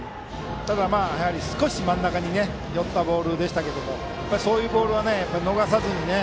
少し真ん中に寄ったボールでしたがそういうボールは逃さずに。